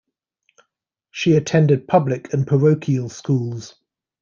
She attended public and parochial schools.